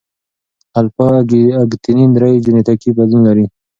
الفا اکتینین درې جینیټیکي بدلون لري.